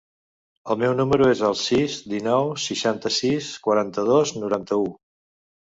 El meu número es el sis, dinou, seixanta-sis, quaranta-dos, noranta-u.